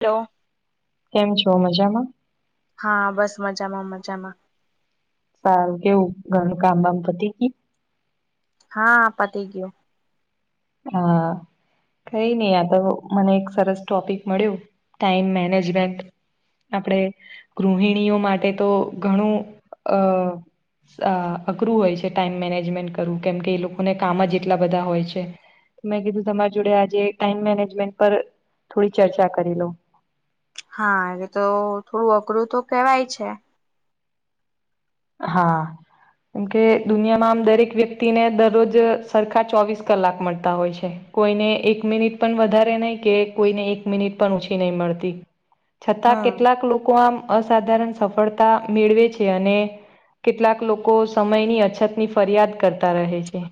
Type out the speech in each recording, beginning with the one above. Hello. કેમ છો મજામાં? હા બસ મજામાં મજામાં. સારું કેવું ઘરનું કામ બામ પતી ગયું. હા પતી ગયુ હા કઈ નહી આ તો મને એક સરસ ટોપિક મળ્યું ટાઈમ મેનેજમેન્ટ આપડે ગૃહિણીઓ માટે તો ઘણું -અ અ અઘરું હોય છે ટાઈમ મેનેજમેન્ટ કરવું કેમકે એ લોકોને કામ જ એટલા બધા હોય છે. મેં કીધું તમારી જોડે આજે ટાઈમ મેનેજમેન્ટ પર થોડી ચર્ચા કરી લઉ. હા એ તો થોડું અઘરું તો કેવાય છે. હા. કેમકે દુનિયામાં આમ દરેક વ્યક્તિ ને દરરોજ સરખા ચોવીસ કલાક મળતા હોય છે. કોઈને એક મિનિટ પણ વધારે નઈ કે કોઈને એક મિનિટ પણ ઓછી નઈ મળતી. છતાં હમ કેટલાક લોકો આમ અસાધારણ સફળતા મેળવે છે અને કેટલાક લોકો સમયની અછતની ફરિયાદ કરતા રહે છે.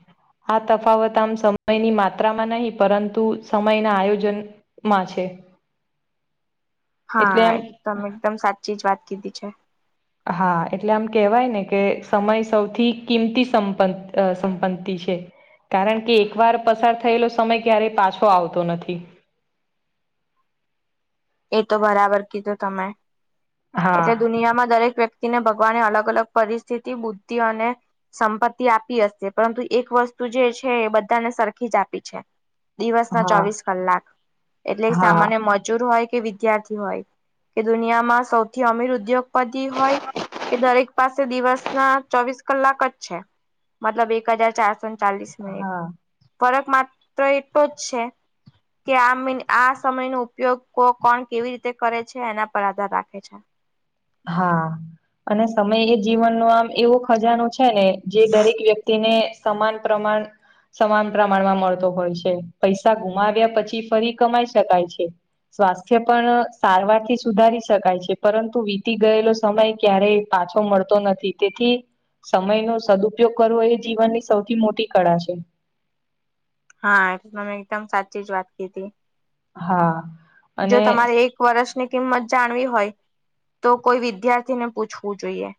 આ તફાવત આમ સમયની માત્રામાં નહીં પરંતુ સમયના આયોજન માં છે. એટલે હા એ એમ તમે એકદમ સાચી જ વાત કીધી છે. હા એટલે આમ કેવાય ને કે સમય સૌથી કિંમતી સંપત અ સંપત્તિ છે કારણ કે એક વાર પસાર થયેલો સમય ક્યારે પાછો આવતો નથી એ તો બરાબર કીધું તમે એટલે હા દુનિયામાં દરેક વ્યક્ત તી ને ભગવાને અલગ અલગ પરિસ્થિતિ બુદ્ધિ અને સંપત્તિ આપી હશે પરંતુ એક વસ્તુ જે છે એ બધાને સરખી જ આપી છે દિવસ ના હા ચોવીસ કલાક એટલે હા સામાન્ય મજૂર હોય કે વિદ્યાર્થી હોય કે દુનિયામાં સૌથી અમીર ઉદ્યોગ પતિ હોય એ દરેક પાસ પાસે દિવસ ના ચોવીસ કલાક જ છે મતલબ એક હજાર ચારસો ચાલીસ મિનિટ હા ફરક માત્ર એટલો જ છે કે આ મીન આ સમયનો ઉપયોગ કો કોણ કેવી રીતે કરે છે એના પર આધાર રાખે છે હા અને સમય એ જીવન નો આમ એવો ખજાનો છે છે ને જે દરેક વ્યક્તિને સમાન પ્રમાણ સમાન પ્રમાણમાં મળતો હોય છે પૈસા ગુમાવ્યા પછી ફરી કમાઈ શકાય છે સ્વાસ્થ્ય પણ સારવાર થી સુધારી શકાય છે પરંતુ વી તી ગયેલો સમય ક્યારેય પાછો મળતો નથી તેથી સમય નો સદુપયોગ કરવો એ જીવનની સૌથી મોટી કળા છે હા તમેં એકદમ સાચી જ વાત કીધી હા જો અને તમારે એક વર્ષની કિંમત જાણવી હોય તો કોઈ વિદ્યાર્થીને પૂછવું જોઈએ.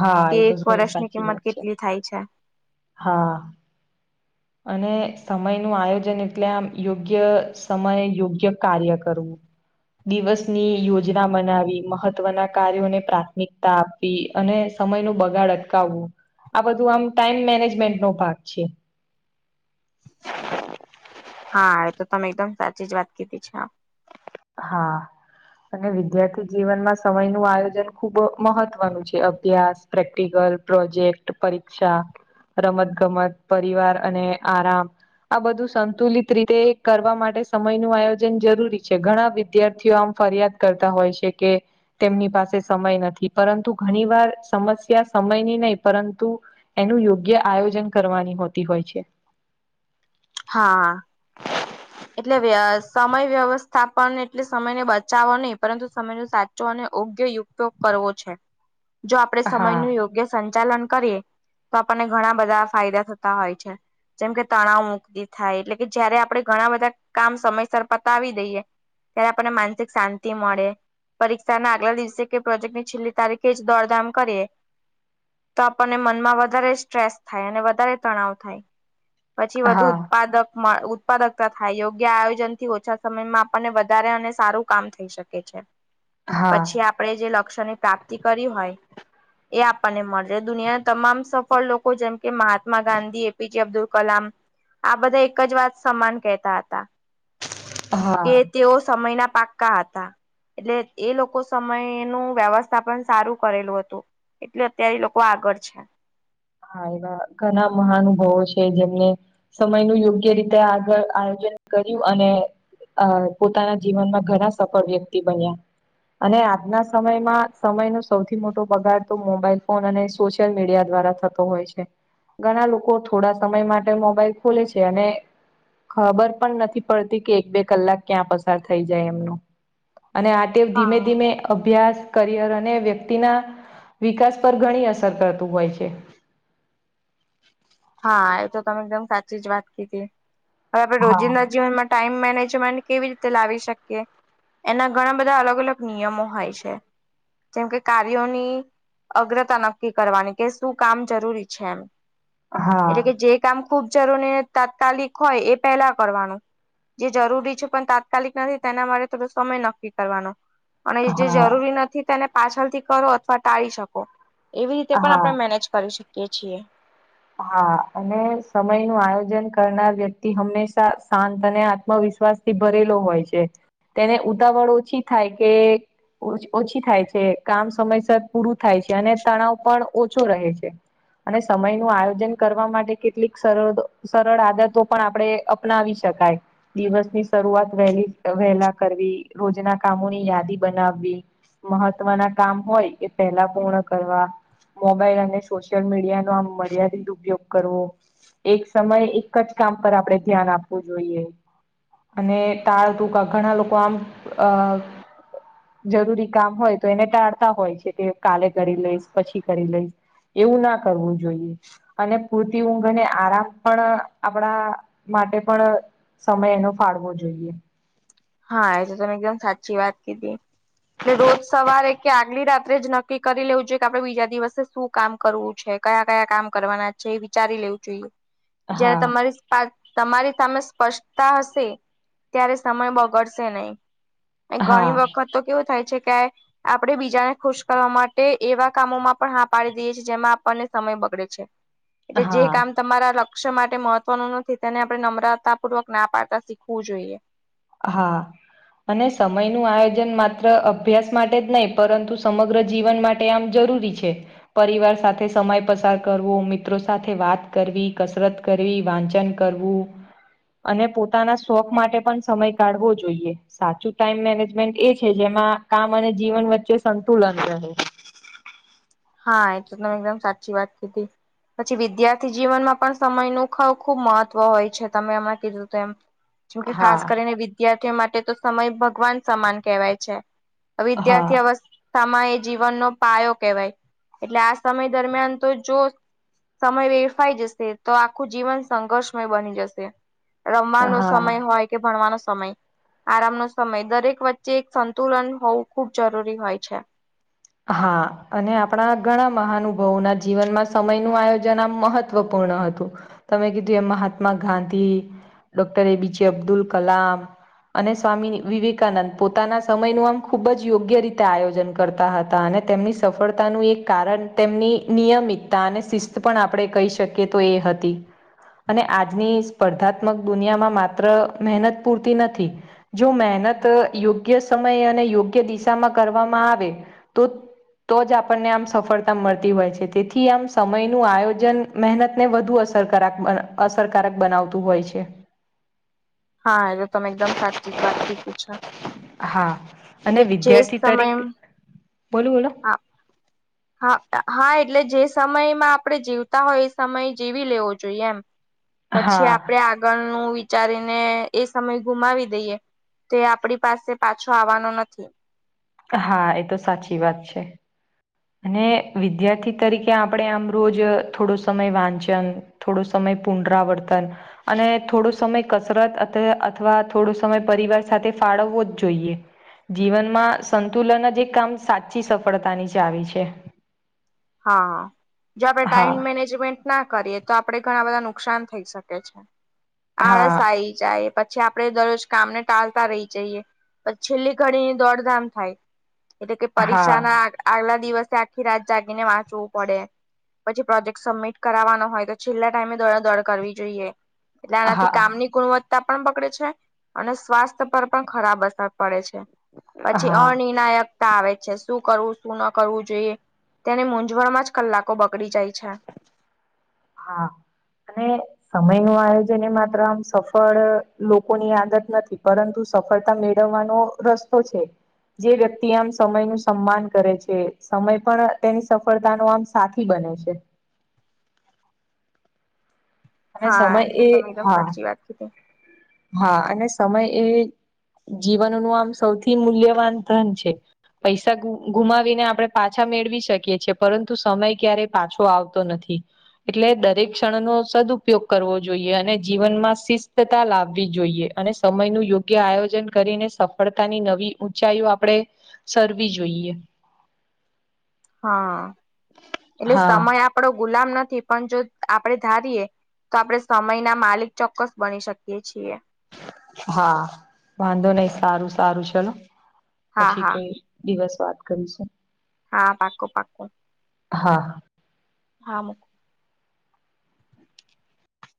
હા કે એ તો એક ઘણી વર્ષની સાચી કિંમત વાત છે કેટલી થાય છે. હા અને સમય નું આયોજન એટલે આમ યોગ્ય સમય યોગ્ય કાર્ય કરવું. દિવસની યોજના બનાવી મહત્વના કાર્યોને પ્રાથમિકતા આ પવી અને સમય નું બગાડ અટકાવવું આ બધું આમ ટાઈમ મેનેજમેન્ટ નો ભાગ છે. હા એ તો તમે એકદમ સાચી જ વાત કીધી છે હા હા અને વિદ્યાર્થી જીવનમાં સમય નું આયોજન ખુબ મહત્વનું છે અભ્યાસ પ્રેક્ટિકલ પ્રોજેક્ટ પરીક્ષા રમત ગમત પરિવાર અને આરામ આ બધું સંતુલિત રીતે કરવા માટે સમય નું આયોજન જરૂરી છે. કે ઘણા વિદ્યાર્થીઓ આમ ફરિયાદ કરતા હોય છે કે તેમની પાસે સમય નથી પરંતુ ઘણી વાર સમસ્યા સમયની નહી પરંતુ એનું યોગ્ય આયોજન કરવાની હોતી હોય છે. હા. એટલે સમય વ્યવસ્થાપન એટલે સમયને બચાવો નહી પરંતુ સમય નુ સાચુ અને યોગ્ય ઉપયોગ કરવો છે. [inaudible] જો આપણે સમય હા નું યોગ્ય સંચાલન કરીએ તો આપણને ઘણા બધા ફાયદા થતા હોય છે જેમ કે તણાવ મુક્તિ થાય એટલે કે જયારે આપણે ઘણા બધા કામ સમયસર પતાવી દઈએ ત્યારે આપણને માનસિક શાંતિ મળે. પરીક્ષાના આગલા દિવસે કે પ્રોજેક્ટની છેલ્લી તારીખે જ દોડધામ કરીએ તો આપણને મનમાં વધારે સ્ટ્રેસ થાય અને વધારે તણાવ થાય. પછી વધુ હા ઉત્પાદક મળ ઉત્પાદકતા થાય યોગ્ય આયોજન થી ઓછા સમયમાં આપણને વધારે અને સારું કામ થઈ શકે છે. [inaudible] પછી આપણેે જે લક્ષ્યની પ્રાપ્તિ કરી હોય એ આપણને મળશે દુનિયાના તમામ સફળ લોકો જેમ કે મહાત્મા ગાંધી એપીજે અબ્દુલ કલામ આ બધા એક જ વાત સમાન કેહેતા હતા હા કે તેઓ સમયના પા કા હતા એટલે એ લોકો સમયનુ વ્યવસ્થાપન પણ સારુ કરેલુ હતુ. એટલે અત્યારે લોકો આગળ છે. હા એવા ઘણા મહાનુભાવો છે જેમને સમય નુ યોગ્ય રીતે આગળ આયોજન કર્યુ અને અ પોતાના જીવનમાં ઘણા સફળ વ્યક્તિ બન્યા. અને આજના સમયમાં સમય નો સૌથી મોટો બગાડ તો મોબાઈલ ફોન અને સોશિયલ મીડિયા દ્વારા થતો હોય છે. ઘણા લોકો થોડા સમય માટે મોબાઈલ ખોલે છે અને ખબર પણ નથી પડતી કે એક બે કલાક ક્યા પસાર થઈ જાય એમનુ અને આ ટેવ ધીમે હા ધીમે અભ્યાસ કરિયર અને વ્યક્તિના વિકાસ પર ઘણી અસર કરતુ હોય છે. હા એ તો તમે એકદમ સાચી જ વાત કીધી. હવે આપણે હા રોજિંદા જીવન માટે ટાઈમ મેનેજમેન્ટ કેવી રીતે લાવી શકીએ? એના ઘણા બધા અલગ અલગ નિયમો હોય છે. જેમ કે કાર્યોની અગ્રતા નક્કી કરવાની કે શુ કામ જરૂરી છે એમ. હા એટલે કે જે કામ ખૂબ જરૂરી તાત્કાલિક હોય એ પહેલા કરવાનુ. જે જરૂરી છે પણ તાત્કાલિક નથી તેના માટે થોડો સમય નક્કી કરવાનો. અને જે હા જરૂરી નથી તેને પાછળથી કરો અથવા ટાળી શકો. એવી રીતે પણ હા આપણે મેનેજ કરી શકીએ છીએ. હા અને સમય નુ આયોજન કરનાર વ્યક્તિ હંમેશા શાંત અને આત્મવિશ્વાસ થી ભરેલો હોય છે તેને ઉતાવળ ઓછી થાય કે ઓછી થાય છે કામ સમયસર પૂરું થાય છે અને તણાવ પણ ઓછો રહે છે. અને સમય નુ આયોજન કરવા માટે કેટલીક સરળ આદતો પણ આપણે અપનાવી શકાય. દિવસની શરૂઆત વહેલી વહેલા કરવી, રોજના કામોની યાદી બનાવવી. મહત્વના કામ હોય એ પેલા પૂર્ણ કરવા. મોબાઈલ અને સોશિયલ મીડિયા નો આમ મર્યાદિત ઉપયોગ કરવો. એક સમયે એક જ કામ પર આપડે ધ્યાન આપવુ જોઈએ. અને તાળ તુંકા ઘણા લોકો આમ અ જરૂરી કામ હોય તો એને ટાળતા હોય છે કે કાલે કરી લઈશ પછી કરી લઈશ. એવુ ના કરવું જોઈએ. અને પૂરતી ઊંઘ અને આરામ પણ આપણા માટે પણ સમય એનો ફાળવો જોઈએ. હા એ તો તમે એકદમ સાચી વાત કીધી. એટલે રોજ સવારે કે આગલી રાત્રે જ નક્કી કરી લેવુ જોઈએ કે આપડે બીજા દિવસે શુ કામ કરવુ છે કયા કયા કામ કરવાના છે એ વિચારી લેવુ જોઈએ. હ જયારે તમારી તમારી સામે સ્પષ્ટતા હશે ત્યારે સમય બહ બગડશે નહી. હા ઘણી વખત તો કેવુ થાય છે કે આપણે બીજાને ખુશ કરવા માટે એવા કામોમા પણ હા પાડી દઈએ છીએ જેમા આપણને સમય બગડે છે. એટલે જે હા કામ તમારા લક્ષ્ય માટે મહત્વનુ નથી તેને આપણે નમ્રતા પૂર્વક ના પાડતા શીખવુ જોઈએ. હા અને સમય નુ આયોજન માત્ર અભ્યાસ માટે જ નહી પરંતુ સમગ્ર જીવન માટ ટે આમ જરૂરી છે. પરિવાર સાથે સમય પસાર કરવો મિત્રો સાથે વાત કરવી કસરત વાંચન કરવુ અને પોતાના શોખ માટે પણ સમય કાઢવો જોઈએ સાચું ટાઈમ મેનેજમેન્ટ એ છે જેમાં કામ અને જીવન વચ્ચે સંતુલન રહે હા એ તો તમે એકદમ સાચી વાત કીધી પછી વિદ્યાર્થી જીવનમાં પણ સમયનું ખ ખુબ મહત્વ હોય છે તમે એમાં કીધું તો એમ [unintelligible] જેકે ખાસ કરીને વિદ્યાર્થીઓ માટે તો સમય ભગવાન સમાન કહેવાય છે હા વિદ્યાર્થી અવસ્થામાં એ જીવનનો પાયો કહેવાય એટલે આ સમય દરમિયાન તો જો સમય વેરફાઈ જશે તો આખું જીવન સંઘર્ષમય બની જશે રમવાનો હા સમય હોય કે ભણવાનો સમય આરામનો સમય દરેક વચ્ચે એક સંતુલન હોવું ખુબ જરૂરી હોય છે. હા અને આપણા ઘણા મહાનુભાવોના જીવનમાં સમય નું આયોજન આમ મહ મહત્વપૂર્ણ હતું તમે કીધું એ મહાત્મા ગાંધી ડોક્ટર એપીજે અબ્દુલ કલામ અને સ્વામી વિવેકાનંદ પોતાના સમય ન આમ ખુબ જ યોગ્ય રીતે આયોજન કરતા હતા તા અને તેમની સફળતાનું એક કારણ તેમની નિયમિતતા અને શિસ્ત પણ આપણે કહી શકીએ કે તો એ હતી અને આજની સ્પર્ધાત્મક દુનિયામાં માત્ર મહેનત પૂરતી નથી જો મહેનત યોગ્ય સમય અને યોગ્ય દિશામાં કરવામાં આવે તો તો જ આપણને આમ સફળતા મળતી હોય છે તેથી આમ સમય ન આયોજન મહેનત ને વધુ અ અસરકારક અસરકારક બનાવતું હોય છે હા એ તો તમે એકદમ સાચી જ વાત કીધી છે હા અને એટલે જે વિદ્યાર્થી તરીકે બોલું બોલો હ હા હા એટલે જે સમયમાં આપણે જીવતા હોય એ સમય જીવી લેવો જોઈએ એમ [inaudible] પછી આપડે આગળનું વિચારીને એ સમય ગુમાવી દઈએ તો આપડી પાસે પાછો આવવાનો નથી હા એ તો સાચી વાત છે અને વિદ્યાર્થી તરીકે આપણેે આમ રોજ થોડો સમય વાંચન થોડો સમય પુનરાવર્તન અને થોડો સમય કસરત અથવા થોડો સમય પરિવાર સાથે ફાળવવો જ જોઈએ જીવનમાં સંતુલન જે કામ સાચી સફળતાની ચાવી છે હા જે આપણે ટાાઈમ હા મેનેજમેન્ટ ના કરીએ તો આપડે ઘણા બધા નુકસાન થઈ શકે છે આળસ હા આવી જાય પછી પછી આપડે દરરોજ કામને ટાલતા રહી જઈએ પછ છેલ્લી ઘડીની દોડધામ થાય એટલે કે હા પરીક્ષા ના આગલા દિવસે આખી રાત જાગી તે ને વાંચવું પડે પછી પ્રોજેક્ટ સબમિટ કરાવાનો હોય તો છેલ્લા ટાઈમે દોડા દડ કરવી જોઈએ એટલે આનાથી હા કામની ગુણવત્તા પણ પકડે છે અને સ્વાસ્થ્ય પર પણ ખરાબ અસર પડે છે પછી હા અનિર્ણાયકતા આવે છે શું કરવું શું ન કરવું જોઈએ તેની મૂંઝવણ માં જ કલાકો બગડી જાય છે હા અને સમય નું આયોજન એ માત્ર આમ સફળ લોકોની આદત નથી પરંતુ સફળતા મેળવવાનો રસ્તો છે જે વ્યક્તિ આમ સમય નું સન્માન કરે છે સમય પણ તેની સફળતા નો આમ સાથી બને છે અને હા સમય એ તો તમે એકદમ હા સાચી વાત કીધી હા અને સમય એ જીવનનું આમ સૌથી મૂલ્યવાન ધન છે પૈસા ગુમાવીને આપણે પાછા મેળવી શકીએ છીએ પરંતુ સમય ક્યારેય પાછો આવતો નથી એટલે દરેક ક્ષણ નો સદઉપયોગ કરવો જોઈએ અને જીવન માં શિસ્તતા લા આવી જોઈએ અને સમયનું યોગ્ય આયોજન કરીને સફળતાની નવી ઊંચાઈઓ આપણે સરવી જોઈએ. હા એટલે હા સમય આપણો ગુલામ નથી પણ જો આપડે ધારીએ તો આપણે સમયનાં માલિક ચોક્કસ બની શકીએ છીએ. હા વાંધો નહી સારું સારું ચલો હા પછી હા કઈ દિવસ વાત કરીશું. હા પાકું પાકું હા હા મુકું